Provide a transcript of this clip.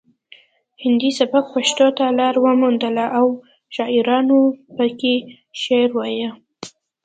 هندي سبک پښتو ته لار وموندله او شاعرانو پکې شعر وایه